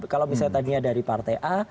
kalau misalnya tadinya dari partai a